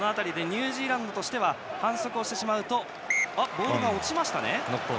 ボールが落ちましたね。